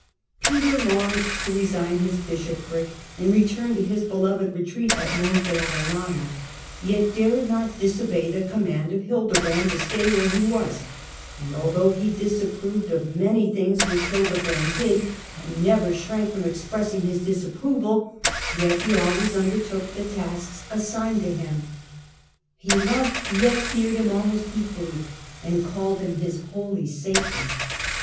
Peter longed to resign his bishopric and return to his beloved retreat at Monte Avellana, yet dared not disobey the command of Hildebrand to stay where he was ; and although he disapproved of many things which Hilde Digitized by VjOOQIC Nicolas II. and Alexander II. 53 brand did, and never slirank from expressing his dis approval, yet he always undertook the tasks assigned to him. He loved yet feared him almost equally, and grimly called him his * holy Satan.'